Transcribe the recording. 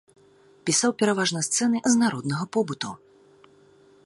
Пісаў пераважна сцэны з народнага побыту.